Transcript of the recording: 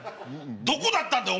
どこだったんだ？